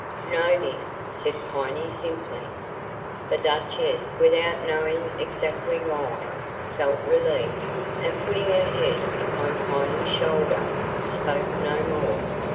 "No, dear," said Piney, simply. The Duchess, without knowing exactly why, felt relieved, and, putting her head upon Piney's shoulder, spoke no more.